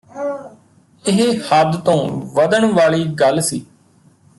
ਇਹ ਹੱਦ ਤੋਂ ਵਧਣ ਵਾਲੀ ਗੱਲ ਸੀ